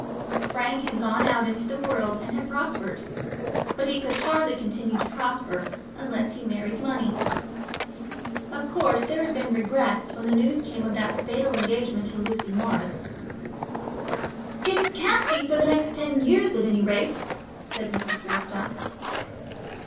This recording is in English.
Frank had gone out into the world and had prospered, but he could hardly continue to prosper unless he married money. Of course, there had been regrets when the news came of that fatal engagement with Lucy Morris. "It can't be for the next ten years, at any rate," said Mrs. Greystock.